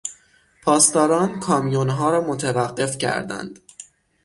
پاسداران کامیونها را متوقف کردند.